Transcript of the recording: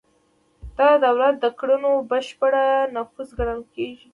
دا د دولت د کړنو بشپړ نفوذ ګڼل کیږي.